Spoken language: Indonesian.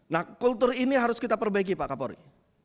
nah kultur ini harus kita perbaiki pak kapolri